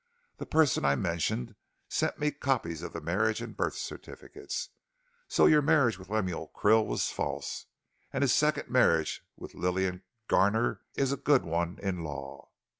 The person I mentioned sent me copies of the marriage and birth certificates. So your marriage with Lemuel Krill was false, and his second marriage with Lillian Garner is a good one in law.